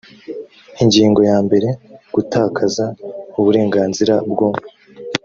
ingingo ya mbere gutakaza uburenganzira bwo